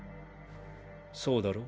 そうだろう？